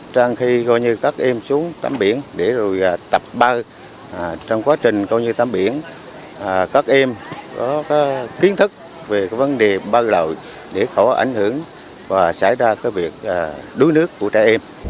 trang khi các em xuống tắm biển để tập bao trong quá trình tắm biển các em có kiến thức về vấn đề bao lầu để khỏi ảnh hưởng và xảy ra việc đuối nước của trẻ em